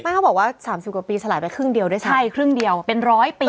มันก็บอกว่าสามสิบกว่าปีสลายไปครึ่งเดียวด้วยใช่ไหมใช่ครึ่งเดียวเป็นร้อยปีอ่ะ